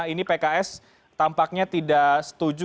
ini pks tampaknya tidak setuju